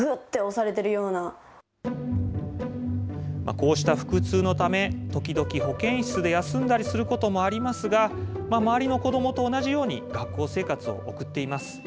こうした腹痛のため、時々、保健室で休んだりすることもありますが、周りの子どもと同じように学校生活を送っています。